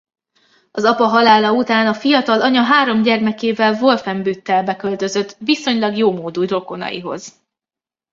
Az apa halála után a fiatal anya három gyermekével Wolfenbüttelbe költözött viszonylag jómódú rokonaihoz.